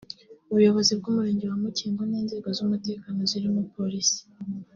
Ubuyobozi bw’umurenge wa Mukingo n’inzego z’umutekano zirimo polisi